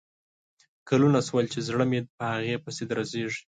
کلونه شول چې زړه مې په هغه پسې درزیږي